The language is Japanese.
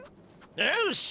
よし！